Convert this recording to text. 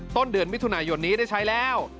ต้นเดือนมิถุนายนนี้ได้ใช้แล้ว